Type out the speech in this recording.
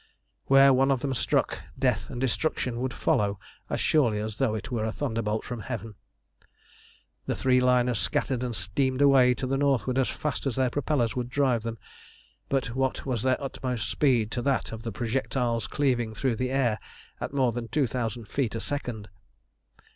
Where one of them struck, death and destruction would follow as surely as though it were a thunderbolt from Heaven. The three liners scattered and steamed away to the northward as fast as their propellers would drive them. But what was their utmost speed to that of the projectiles cleaving through the air at more than two thousand feet a second?